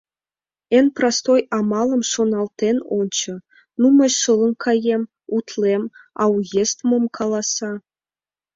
— Эн простой амалым шоналтен ончо: ну, мый шылын каем, утлем, а уезд мом каласа?